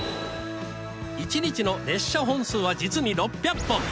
１日の列車本数は実に６００本。